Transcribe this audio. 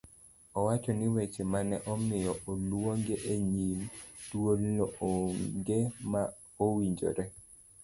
Owacho ni weche mane omiyo oluonge e nyim duolno onge ma owinjore